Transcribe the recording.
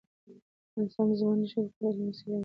افغانستان د ځمکنی شکل په اړه علمي څېړنې لري.